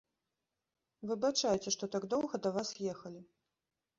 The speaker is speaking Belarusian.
Выбачайце, што так доўга да вас ехалі!